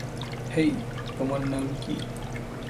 হেই, তোমার নাম কি?